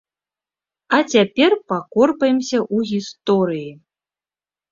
А цяпер пакорпаемся ў гісторыі.